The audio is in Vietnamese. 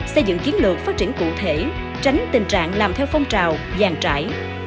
xây dựng chiến lược phát triển cụ thể tránh tình trạng làm theo phong trào vàng trải